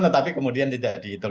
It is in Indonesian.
tetapi kemudian tidak di turun